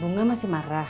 bunga masih marah